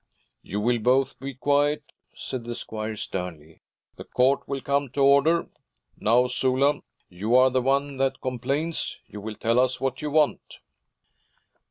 'You will both be quiet' said the squire sternly. 'The court will come to order. Now, Sula, you are the one that complains; you will tell us what you want.'